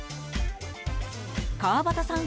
川端さん